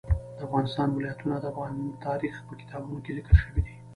د افغانستان ولايتونه د افغان تاریخ په کتابونو کې ذکر شوی دي.